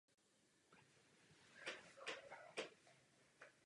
Páteční hlavní program provázela značná nepřízeň počasí.